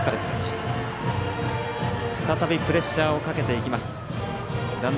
再びプレッシャーをかけていきます。